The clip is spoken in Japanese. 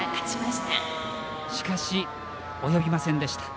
しかし、及びませんでした。